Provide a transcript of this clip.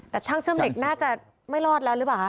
แต่ช่างเชื่อมเหล็กน่าจะไม่รอดแล้วหรือเปล่า